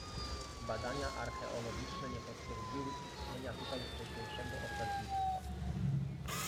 Badania archeologiczne nie potwierdziły istnienia tutaj wcześniejszego osadnictwa.